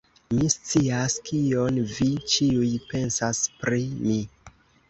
Mi scias, kion vi ĉiuj pensas pri mi!